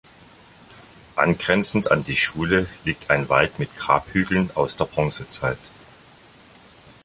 Angrenzend an die Schule liegt ein Wald mit Grabhügeln aus der Bronzezeit.